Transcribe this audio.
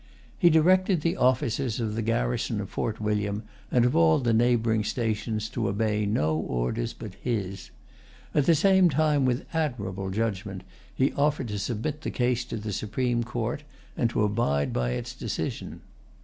He directed the officers of the garrison of Fort William and of all the neighboring stations to obey no orders but his. At the same time, with admirable judgment, he offered to submit the case to the Supreme Court, and to abide by its decision.